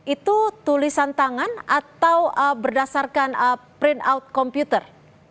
itu tulisan tangan atau berdasarkan print out komputer